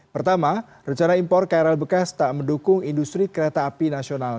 pertama rencana impor krl bekas tak mendukung industri kereta api nasional